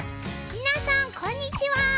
みなさんこんにちは。